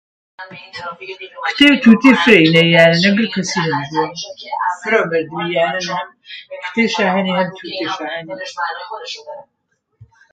چیە تووتێ فرێ ئینەی یانەنە گرکەسی هەنش وەڵا فرێ یانەنە کتێش اهەنێ و تووتێشا هەنێ